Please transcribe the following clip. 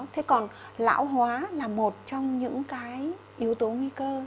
thế còn lão hóa là một trong những cái yếu tố nguy cơ